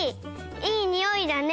いいにおいだね。